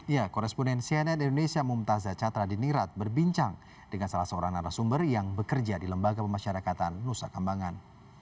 ya koresponden cnn indonesia mumtazah catra di nirat berbincang dengan salah seorang narasumber yang bekerja di lembaga pemasyarakatan nusa kambangan